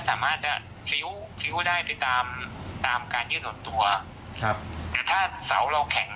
สามารถจะได้ไปตามตามการยืดหดตัวครับถ้าเสาเราแข็ง